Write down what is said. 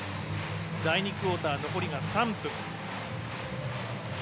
第２クオーター残り３分。